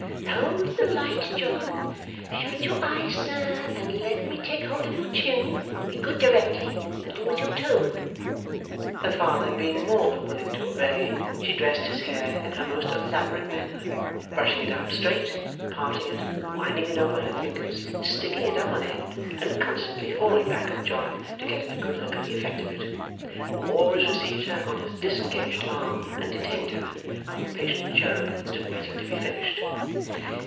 'Hold the light, John. Shut your eyes, sir, and let me take hold of your chin. Be good directly, and do as you are told!' Her father being more than willing to obey, she dressed his hair in her most elaborate manner, brushing it out straight, parting it, winding it over her fingers, sticking it up on end, and constantly falling back on John to get a good look at the effect of it. Who always received her on his disengaged arm, and detained her, while the patient cherub stood waiting to be finished.